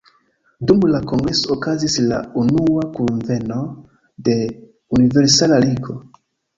Dum la kongreso okazis la unua kunveno de "Universala Ligo".